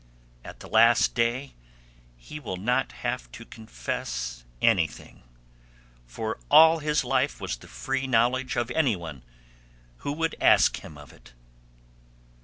At the last day he will not have to confess anything, for all his life was the free knowledge of any one who would ask him of it.